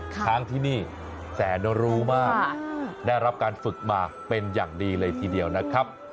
ช้างที่นี่แสนรู้มากได้รับการฝึกมาเป็นอย่างดีเลยทีเดียวนะครับ